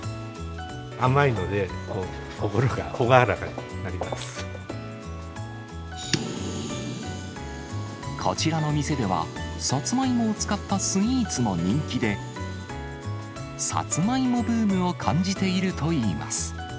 甘いので、心が朗らかになりこちらの店では、サツマイモを使ったスイーツも人気で、サツマイモブームを感じているといいます。